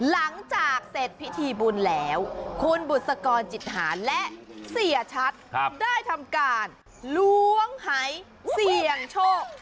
หลังจากเสร็จพิธีบุญแล้วคุณบุษกรจิตหาและเสียชัดได้ทำการล้วงหายเสี่ยงโชค